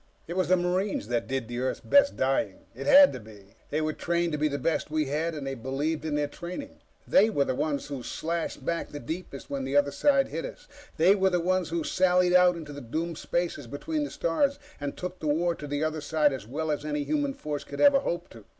It was the Marines that did Earth's best dying. It had to be. They were trained to be the best we had, and they believed in their training. They were the ones who slashed back the deepest when the other side hit us. They were the ones who sallied out into the doomed spaces between the stars and took the war to the other side as well as any human force could ever hope to.